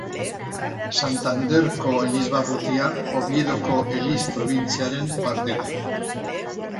Santanderko elizbarrutia Oviedoko eliz probintziaren parte da.